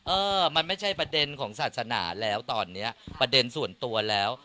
เออมันไม่ใช่ประเด็นของศาสนาแล้วตอนนี้ประเด็นส่วนตัวแล้ว